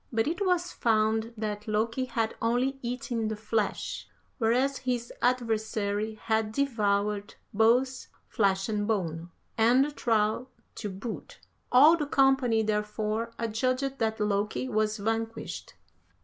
But it was found that Loki had only eaten the flesh, whereas his adversary had devoured both flesh and bone, and the trough to boot. All the company therefore adjudged that Loki was vanquished.